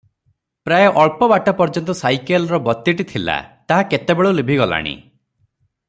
ପ୍ରାୟ ଅଳ୍ପ ବାଟ ପର୍ଯ୍ୟନ୍ତ ସାଇକେଲର ବତୀଟି ଥିଲା, ତାହା କେତେବେଳୁ ଲିଭିଗଲାଣି ।